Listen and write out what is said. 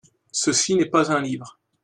Ceci n'est pas un livre.